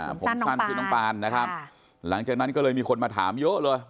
ผมสั้นชื่อน้องปานนะครับหลังจากนั้นก็เลยมีคนมาถามเยอะเลย